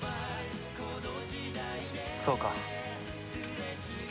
そうか。